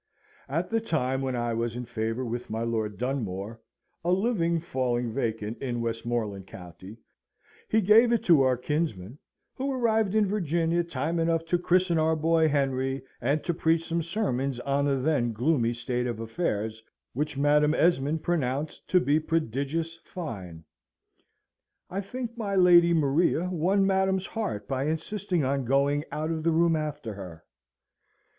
At the time when I was in favour with my Lord Dunmore, a living falling vacant in Westmoreland county, he gave it to our kinsman, who arrived in Virginia time enough to christen our boy Henry, and to preach some sermons on the then gloomy state of affairs, which Madam Esmond pronounced to be prodigious fine. I think my Lady Maria won Madam's heart by insisting on going out of the room after her.